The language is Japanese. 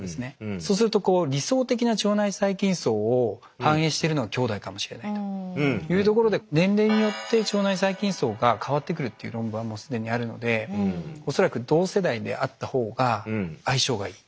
そうするとこう理想的な腸内細菌叢を反映してるのはきょうだいかもしれないというところで年齢によって腸内細菌叢が変わってくるっていう論文はもう既にあるのでおそらく同世代であったほうが相性がいい。